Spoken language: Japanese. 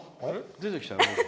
出てきたよ。